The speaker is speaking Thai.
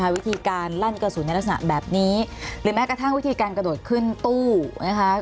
วิธีการลั่นกระสุนในลักษณะแบบนี้หรือแม้กระทั่งวิธีการกระโดดขึ้นตู้นะคะ